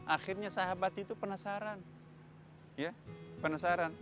akhirnya sahabat itu penasaran